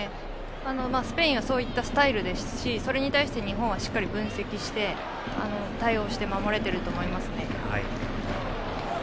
スペインはそういったスタイルですしそれに対して日本はしっかり分析して対応して守れていると思います。